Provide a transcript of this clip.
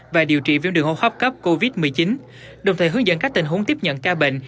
và điều trị viêm đường hô hấp cấp covid một mươi chín đồng thời hướng dẫn các tình huống tiếp nhận ca bệnh